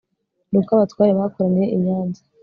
ni uko abatware bakoraniye i nyanza